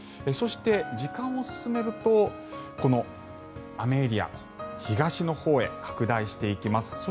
そして、時間を進めるとこの雨エリアは東のほうへ拡大していきます。